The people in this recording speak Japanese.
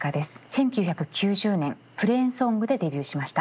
１９９０年「プレーンソング」でデビューしました。